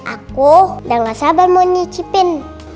aku udah gak sabar mau nyicipin